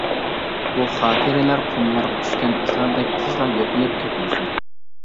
بۇ خاتىرىلەر قۇملارغا چۈشكەن ئىزلاردەك تېزلا يوقىلىپ كەتمىسۇن.